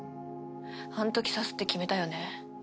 あんとき刺すって決めたよね。